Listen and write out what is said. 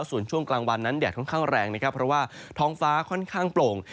ส่วนช่วงกลางวันนั้นแดดค่อนข้างแรงนะครับเพราะว่าท้องฟ้าค่อนข้างโปร่ง